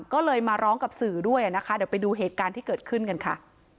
ก็เลยมาร้องกับสื่อด้วยนะคะเดี๋ยวไปดูเหตุการณ์ที่เกิดขึ้นกันค่ะ